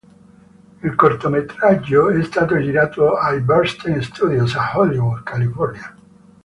Il cortometraggio è stato girato ai Bernstein Studios, a Hollywood, California.